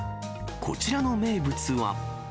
こちらの名物は。